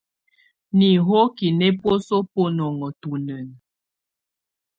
Nihokiǝ nɛ̀ buǝ́suǝ́ bunɔnɔ tunǝn.